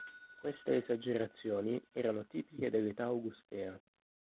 Queste esagerazioni erano tipiche dell'età augustea.